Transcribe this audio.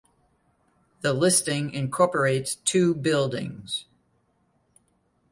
The listing incorporates two buildings.